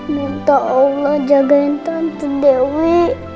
minta allah jagain tante dewi